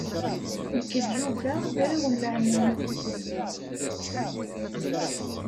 Nekk d Yuba d arraw n leɛmum.